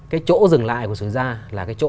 cái chỗ dừng lại của sửa ra là cái chỗ